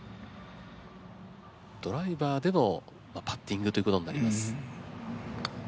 ドライバーでのパッティングということになります。